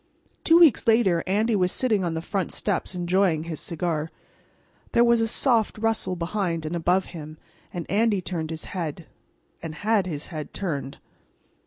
Two weeks later Andy was sitting on the front steps enjoying his cigar. There was a soft rustle behind and above him, and Andy turned his head—and had his head turned.